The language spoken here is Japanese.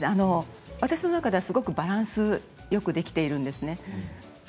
私の中ではすごくバランスよくできているんですね。